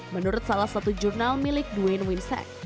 menurut salah satu jurnal milik duane winsack